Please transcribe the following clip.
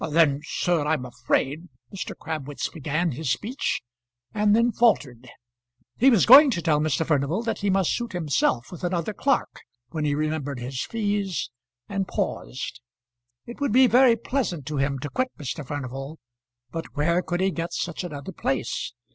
"Then, sir, I'm afraid " Mr. Crabwitz began his speech and then faltered. He was going to tell Mr. Furnival that he must suit himself with another clerk, when he remembered his fees, and paused. It would be very pleasant to him to quit Mr. Furnival, but where could he get such another place?